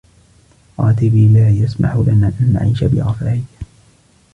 راتبي لا يسمح لنا أن نعيش برفاهية.